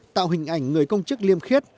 tạo hình ảnh người công chức liêm khiết